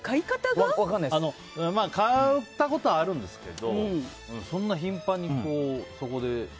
買ったことあるんですけどそんなに頻繁には。